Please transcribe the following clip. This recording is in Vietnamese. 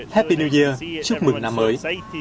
happy new year chúc mừng năm mới